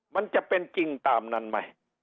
มันจะเป็นจริงตามนั้นไหม